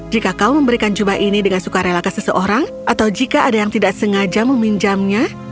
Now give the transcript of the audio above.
jika kau memberikan jubah ini dengan suka rela ke seseorang atau jika ada yang tidak sengaja meminjamnya